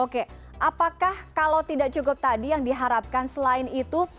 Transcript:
oke apakah kalau tidak cukup tadi yang diharapkan selain itu